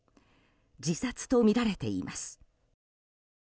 自殺とみられています。